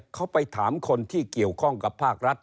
เขาไปถามคนที่เกี่ยวข้องกับภาครัฐ